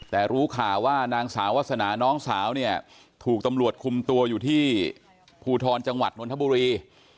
แต่รู้ข่าวว่านางสาววาสนาน้องสาวเนี่ยถูกตำรวจคุมตัวอยู่ที่ภูทรจังหวัดนทบุรี